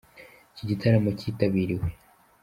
Iki gitaramo cyitabiriwe